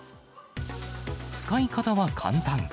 使い方は簡単。